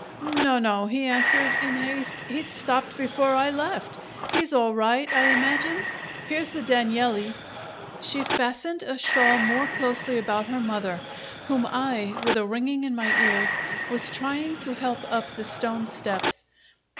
"No, no," he answered, in haste. "He'd stopped before I left. He's all right, I imagine. Here's the Danieli." She fastened a shawl more closely about her mother, whom I, with a ringing in my ears, was trying to help up the stone steps.